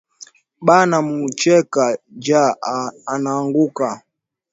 Bana mucheka ju anaanguka